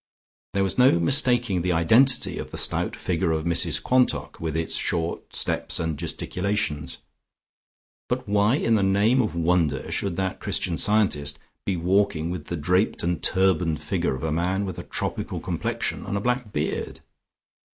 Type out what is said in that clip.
There was no mistaking the identity of the stout figure of Mrs Quantock with its short steps and its gesticulations, but why in the name of wonder should that Christian Scientist be walking with the draped and turbaned figure of a man with a tropical complexion and a black beard?